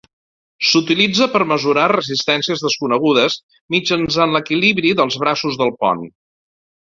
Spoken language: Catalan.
S'utilitza per mesurar resistències desconegudes mitjançant l'equilibri dels braços del pont.